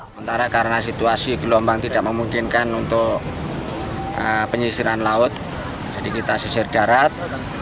sementara karena situasi gelombang tidak memungkinkan untuk penyisiran laut jadi kita sisir darat